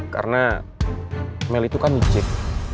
karena mel itu kan nge cheat